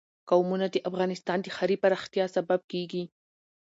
قومونه د افغانستان د ښاري پراختیا سبب کېږي.